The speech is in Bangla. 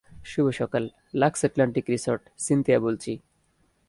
শুভ সকাল, লাক্স এটলান্টিক রিসর্ট, সিনথিয়া বলছি।